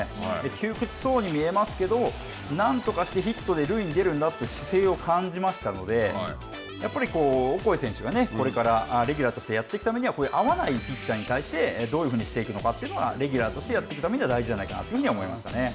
窮屈そうに見えますけれども、なんとかしてヒットで塁に出るという姿勢を感じましたのでやっぱりオコエ選手がこれからレギュラーとしてやっていくためには合わないピッチャーに対してどういうふうにしていくのかというのがレギュラーとしてやっていくためには大事じゃないかなと思いましたね。